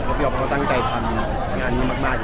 เพราะพี่อ๊อฟก็ตั้งใจทำงานนี้มากเลยครับ